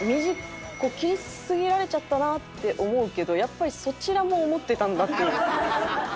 切りすぎられちゃったなって思うけどやっぱりそちらも思ってたんだっていう。